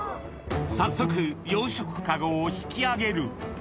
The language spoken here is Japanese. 早速養殖カゴを引き上げる